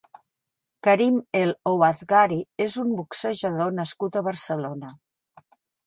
Karim El Ouazghari és un boxejador nascut a Barcelona.